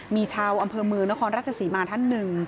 มีชาวอำเภอเมืองนครราชศรีมาท่านหนึ่ง